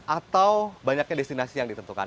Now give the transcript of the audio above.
atau banyaknya destinasi yang ditentukan